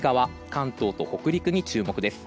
関東と北陸に注目です。